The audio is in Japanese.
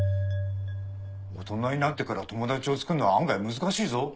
大人になってから友達をつくるのは案外難しいぞ。